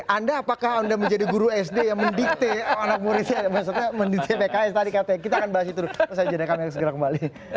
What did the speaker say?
anda apakah menjadi guru sd yang mendikte anak muridnya maksudnya mendikte pks tadi kita akan bahas itu terus saya jadikan yang segera kembali